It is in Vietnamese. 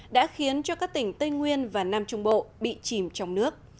đã khiến cho các tỉnh tây nguyên và nam trung bộ bị chìm trong nước